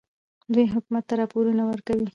دوی حکومت ته راپورونه ورکوي.